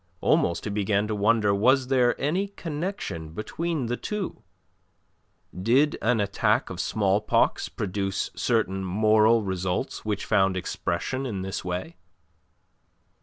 Almost he began to wonder was there any connection between the two. Did an attack of smallpox produce certain moral results which found expression in this way?